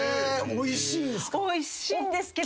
おいしいんですけど。